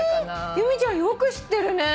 由美ちゃんよく知ってるね！